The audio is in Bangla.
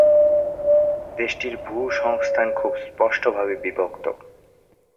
দেশটির ভূসংস্থান খুব স্পষ্টভাবে বিভক্ত।